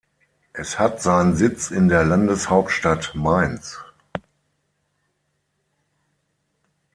Es hat seinen Sitz in der Landeshauptstadt Mainz.